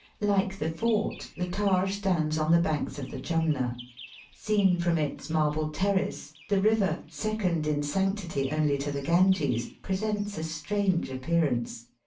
Like the fort, the Taj stands on the banks of the Jumna. Seen from its marble terrace the river, second in sanctity only to the Ganges, presents a strange appearace.